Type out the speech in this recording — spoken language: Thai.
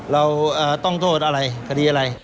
เราต้องโทษอะไรคดีอะไร